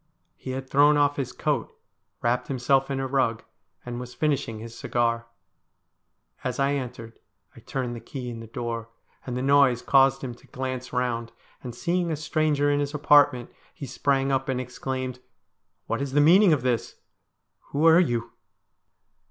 He had thrown off his coat, wrapped himself in a rug, and was finishing his cigar. As I entered I turned the key in the door, and the noise caused him to glance round, and, seeing a stranger in his apartment, he sprang up and exclaimed :' What is the meaning of this ? Who are you